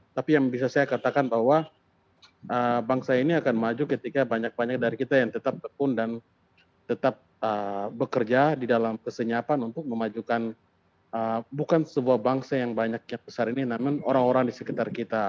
tapi yang bisa saya katakan bahwa bangsa ini akan maju ketika banyak banyak dari kita yang tetap tekun dan tetap bekerja di dalam kesenyapan untuk memajukan bukan sebuah bangsa yang banyak yang besar ini namun orang orang di sekitar kita